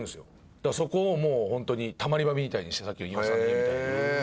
だからそこをもうホントにたまり場みたいにしてさっきの飯尾さんの家みたいに。